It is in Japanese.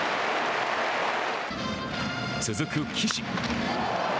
続く岸。